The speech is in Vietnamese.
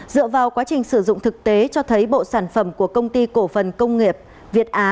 dựa vào quá trình sử dụng thực tế cho thấy bộ sản phẩm của công ty cổ phần công nghiệp việt á